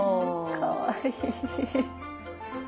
かわいい。